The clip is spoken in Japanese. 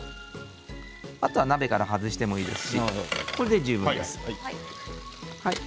あとは鍋から外してもいいですしこれで十分です。